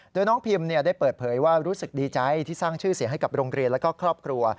โดยน้องพิมได้เปิดเผยว่ารู้สึกดีใจที่สร้างชื่อเสียงให้กับโรงเรียนและก็ครอบครัว